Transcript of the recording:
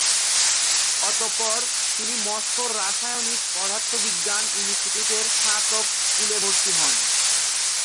অতঃপর তিনি মস্কোর রাসায়নিক পদার্থবিজ্ঞান ইনস্টিটিউটের স্নাতক স্কুলে ভর্তি হন।